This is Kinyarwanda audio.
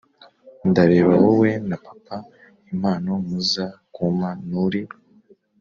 ndareba wowe na papa impano muza kumpa nuri!!!